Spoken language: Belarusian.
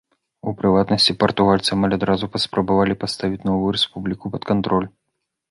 У прыватнасці, партугальцы амаль адразу паспрабавалі паставіць новую рэспубліку пад кантроль.